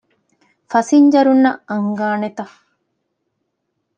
ފަސިންޖަރުންނަށް އަންގާނެތަ؟